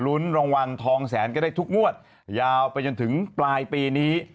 รุ้นรางวัลทองแสนก็ได้ทุกงวดยาวไปจนถึงปลายปีนี้